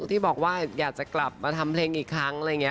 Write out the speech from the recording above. ที่บอกว่าอยากจะกลับมาทำเพลงอีกครั้ง